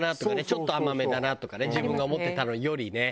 ちょっと甘めだなとかね自分が思ってたのよりね。